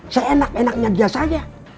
seenak enaknya dia saya